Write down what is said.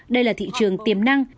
đây là thị trường tiềm năng